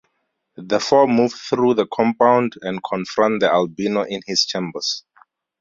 The four move through the compound and confront the Albino in his chambers.